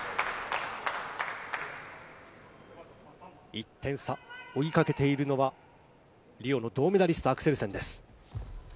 １点差、追いかけているのはリオの銅メダリスト、アクセルセンです。